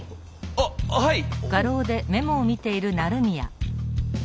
あっはい。